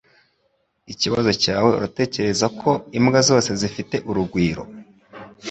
Ikibazo cyawe uratekereza ko imbwa zose zifite urugwiro.